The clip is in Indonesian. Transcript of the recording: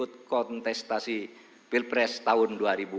ikut kontestasi pilpres tahun dua ribu dua puluh